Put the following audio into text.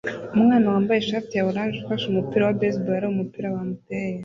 Umwana wambaye ishati ya orange ufashe umupira wa baseball areba umupira bamuteye